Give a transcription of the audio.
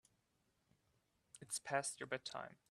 It's past your bedtime.